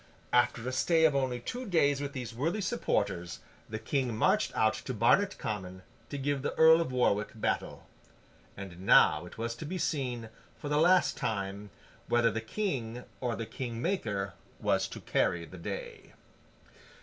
After a stay of only two days with these worthy supporters, the King marched out to Barnet Common, to give the Earl of Warwick battle. And now it was to be seen, for the last time, whether the King or the King Maker was to carry the day.